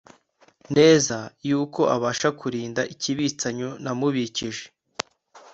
neza yuko abasha kurinda ikibitsanyo namubikije